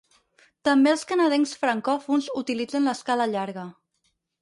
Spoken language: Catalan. També els canadencs francòfons utilitzen l'escala llarga.